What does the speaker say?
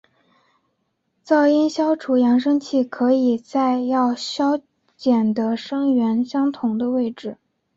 噪音消除扬声器可设在要衰减的声源相同的位置。